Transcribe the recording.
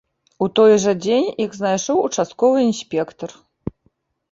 У той жа дзень іх знайшоў участковы інспектар.